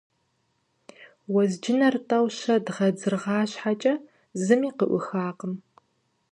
Уэзджынэр тӀэу-щэ дгъэдзыргъа щхьэкӀэ зыми къыӀуихакъым.